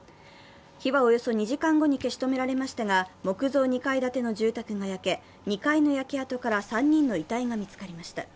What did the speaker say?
火はおよそ２時間後に消し止められましたが木造２階建ての住宅が焼け、２階の焼け跡から３人の遺体が見つかりました。